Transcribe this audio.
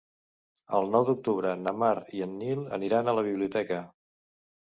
El nou d'octubre na Mar i en Nil aniran a la biblioteca.